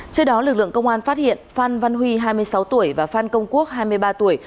trước đó lực lượng công an phát hiện phan văn huy hai mươi sáu tuổi và phan công quốc hai mươi ba tuổi